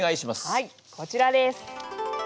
はいこちらです。